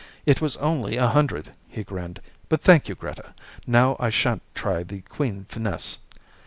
"It was only a hundred," he grinned. "But thank you, Greta. Now I shan't try the queen finesse."